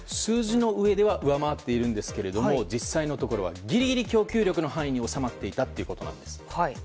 数字のうえでは上回っているんですが実際のところはギリギリ供給量の範囲に収まっていたということです。